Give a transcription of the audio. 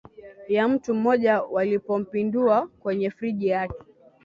ya mtu mmoja Walipompindua kwenye friji yake